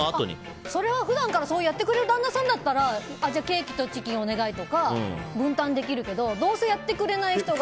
それは普段からそうやってくれる旦那さんならケーキとチキンお願いとか分担できるけどどうせやってくれない人が。